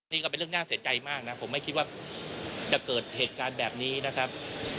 นี่ก็เป็นเรื่องน่าเสียใจมากนะผมไม่คิดว่าจะเกิดเหตุการณ์แบบนี้นะครับ